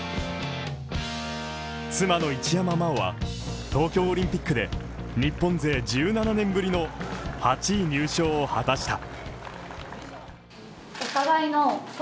妻の一山麻緒は、東京オリンピックで日本勢１７年ぶりの８位入賞を果たした。